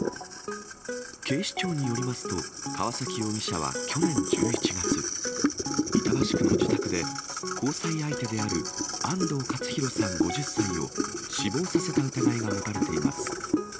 警視庁によりますと、川崎容疑者は去年１１月、板橋区の自宅で、交際相手である安藤勝弘さん５０歳を死亡させた疑いが持たれています。